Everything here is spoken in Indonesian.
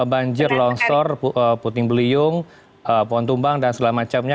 banjir longsor puting beliung pohon tumbang dan segala macamnya